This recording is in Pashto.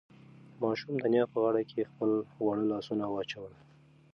ماشوم د نیا په غاړه کې خپل واړه لاسونه واچول.